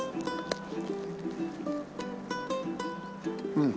うん。